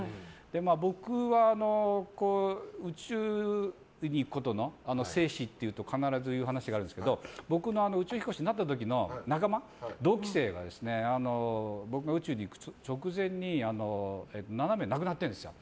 僕は宇宙に行くことの生死っていうと必ずする話があるんですけど僕の宇宙飛行士になった時の仲間同期生が僕が宇宙に行く直前に７名亡くなってるんですよ。